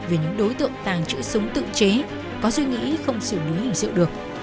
về những đối tượng tàng trữ súng tự chế có suy nghĩ không xử lý hình sự được